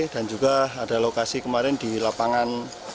dan juga ada lokasi kemarin di lapangan